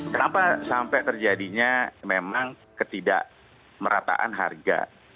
kenapa sampai terjadinya memang ketidakmerataan harga